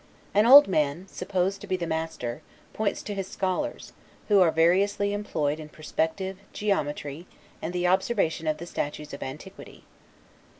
An old man, supposed to be the master, points to his scholars, who are variously employed in perspective, geometry, and the observation of the statues of antiquity.